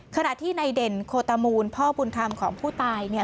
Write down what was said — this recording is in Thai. ขณะที่ในเด่นโคตามูลพ่อบุญธรรมของผู้ตายเนี่ย